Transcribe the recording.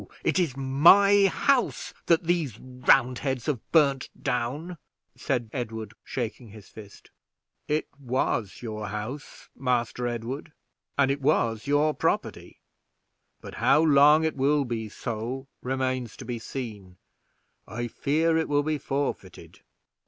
It is my house that these Roundheads have burned down," said Edward, shaking his fist. "It was your house, Master Edward, and it was your property, but how long it will be so remains to be seen. I fear that it will be forfeited."